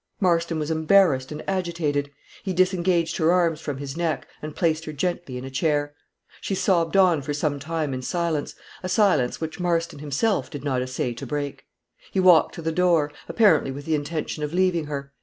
Marston was embarrassed and agitated. He disengaged her arms from his neck, and placed her gently in a chair. She sobbed on for some time in silence a silence which Marston himself did not essay to break. He walked to the door, apparently with the intention of leaving her.